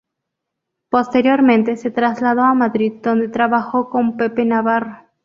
Posteriormente se trasladó a Madrid, donde trabajó con Pepe Navarro.